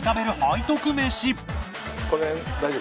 この辺大丈夫？